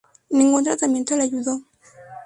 Ningún tratamiento le ayudó.